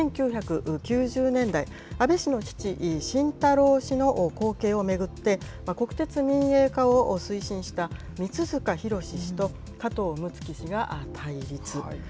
１９９０年代、安倍氏の父、晋太郎氏の後継を巡って、国鉄民営化を推進した三塚博氏と加藤六月氏が対立。